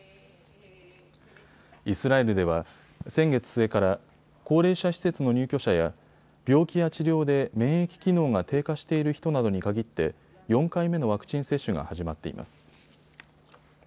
イスラエルでは先月末から高齢者施設の入居者や病気や治療で免疫機能が低下している人などに限って４回目のワクチン接種が始まっています。